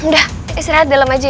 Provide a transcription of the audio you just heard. udah istirahat dalam aja